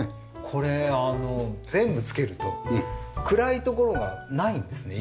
これ全部付けると暗いところがないんですね